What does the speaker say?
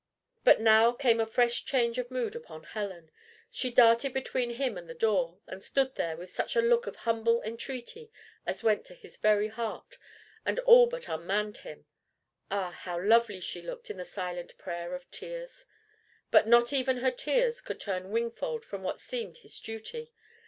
But now came a fresh change of mood upon Helen. She darted between him and the door, and stood there with such a look of humble entreaty as went to his very heart, and all but unmanned him. Ah, how lovely she looked in the silent prayer of tears! But not even her tears could turn Wingfold from what seemed his duty.